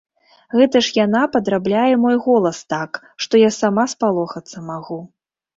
Гэта ж яна падрабляе мой голас так, што я сама спалохацца магу.